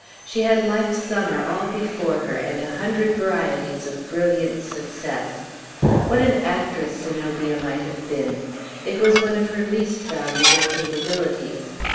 She had life's summer all before her, and a hundred varieties of brilliant success. What an actress Zenobia might have been! It was one of her least valuable capabilities.